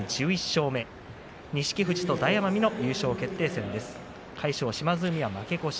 錦富士と大奄美の優勝決定戦です。